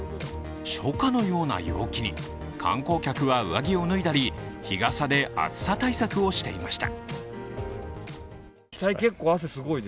初夏のような陽気に観光客は上着を脱いだり日傘で暑さ対策をしていました。